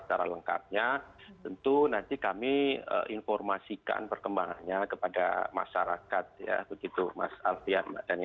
tentu nanti kami informasikan perkembangannya kepada masyarakat ya begitu mas alfian mbak daniel